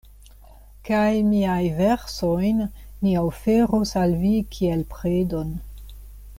Kaj miajn versojn mi oferos al vi kiel predon.